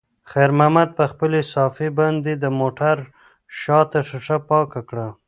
خیر محمد په خپلې صافې باندې د موټر شاته ښیښه پاکه کړه.